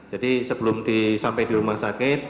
jadi sebelum sampai di rumah sakit